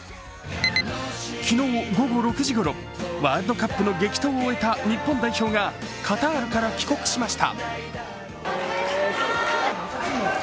昨日午後６時ごろ、ワールドカップの激闘を終えた日本代表がカタールから帰国しました。